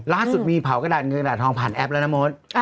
ล่าสุดมีเผากระดาษเงินกระดาษทองผ่านแอปแล้วนะมด